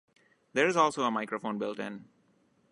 There is also a microphone built in.